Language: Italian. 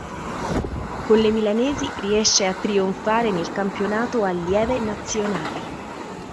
Con le milanesi riesce a trionfare nel campionato Allieve Nazionali.